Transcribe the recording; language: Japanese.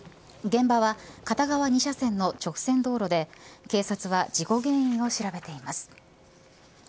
現場は片側２車線の直線道路で警察は事故原因を調べています。